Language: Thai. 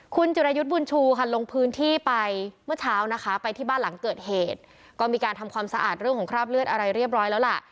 คุณจิรายุทธ์บุญชูค่ะลงพื้นที่ไปเมื่อเช้านะคะไปที่บ้านหลังเกิดเหตุก็มีการทำความสะอาดเรื่องของคราบเลือดอะไรเรียบร้อยแล้วล่ะ